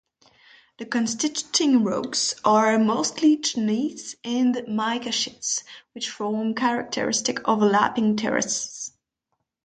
The constituting rocks are mostly gneiss, and mica schists, which form characteristic overlapping terraces.